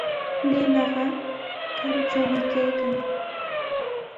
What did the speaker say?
Limaqa karutrawmi kaykan.